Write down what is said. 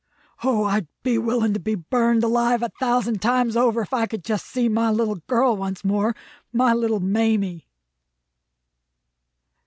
"O, I'd be willing to be burned alive a thousand times over if I could just see my little girl once more, my little Mamie!"